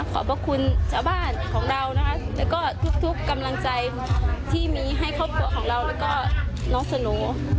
ขอบคุณชาวบ้านของเราและทุกกำลังใจที่มีให้ครอบครัวของเราน้องสโน้